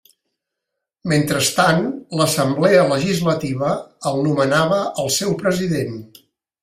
Mentrestant l'Assemblea Legislativa el nomenava el seu President.